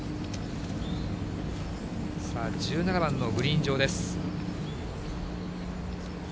さあ、１７番のグリーン上です。